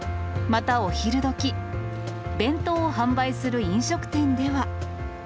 また、お昼どき、弁当を販売する飲食店では。